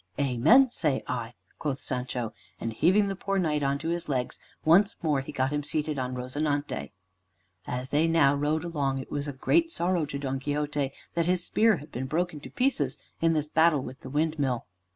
"Amen! say I" quoth Sancho: and heaving the poor Knight on to his legs, once more he got him seated on "Rozinante." As they now rode along, it was a great sorrow to Don Quixote that his spear had been broken to pieces in this battle with the windmill.